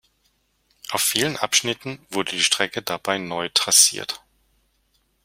Auf vielen Abschnitten wurde die Strecke dabei neu trassiert.